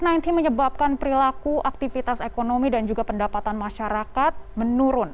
covid sembilan belas menyebabkan perilaku aktivitas ekonomi dan juga pendapatan masyarakat menurun